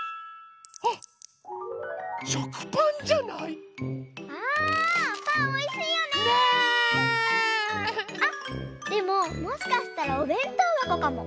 あっでももしかしたらおべんとうばこかも！